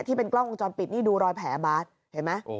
ที่เป็นกล้องวงจรปิดนี่ดูรอยแผลบาสเห็นไหม